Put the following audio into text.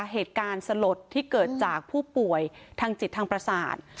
เหตุการณ์สลดที่เกิดจากผู้ป่วยทางจิตทางประสาท